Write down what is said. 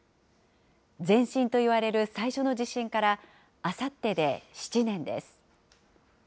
前震といわれる最初の地震から、あさってで７年です。